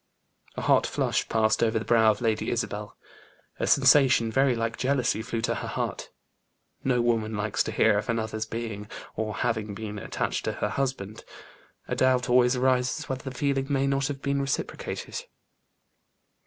A hot flush passed over the brow of Lady Isabel; a sensation very like jealousy flew to her heart. No woman likes to hear of another's being, or having been attached to her husband: a doubt always arises whether the feeling may not have been reciprocated.